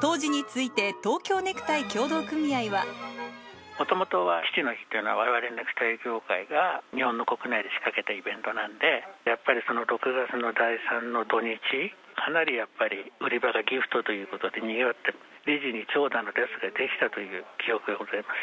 当時について、もともとは父の日っていうのは、われわれネクタイ業界が、日本の国内で仕掛けたイベントなんで、やっぱりその６月の第３の土日、かなりやっぱり売り場がギフトということで、にぎわって、レジに長蛇の列が出来たという記憶がございます。